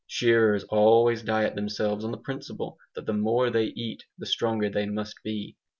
Shearers always diet themselves on the principle that the more they eat the stronger they must be.